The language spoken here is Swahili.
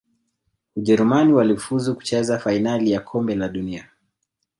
Ujerumani walifuzu kucheza fainali ya kombe la dunia